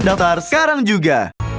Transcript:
daftar sekarang juga